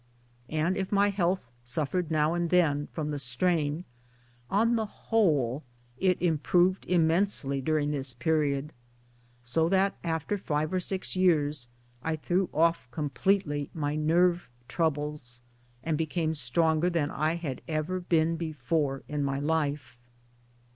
And if my health suffered now and then from the strain, on the whole it improved immensely during this period ; so that after five or six years I threw off completely my nerve troubles, and became stronger than I had ever been before in my life.